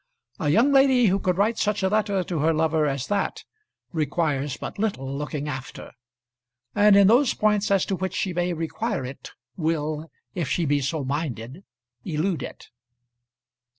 A young lady who could write such a letter to her lover as that requires but little looking after; and in those points as to which she may require it, will if she be so minded elude it.